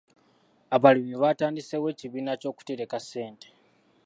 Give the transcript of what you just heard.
Abalimi batandiseewo ekibiina ky'okutereka ssente.